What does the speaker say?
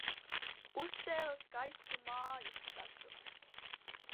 Uzcēla skaistu māju taču.